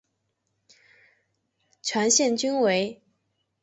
全线均为。